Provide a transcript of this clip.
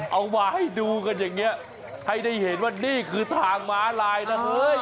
เอามาให้ดูกันอย่างนี้ให้ได้เห็นว่านี่คือทางม้าลายนะเฮ้ย